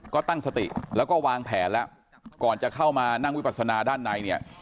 ก็ตั้งสติแล้วก็วางแผนแล้วก่อนจะเข้ามานั่งวิปัสนาด้านในเนี่ย